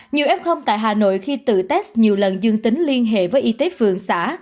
nhiều f tại hà nội khi tự test nhiều lần dương tính liên hệ với y tế phường xã